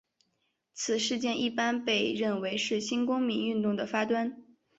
此事件一般被认为是新公民运动的发端。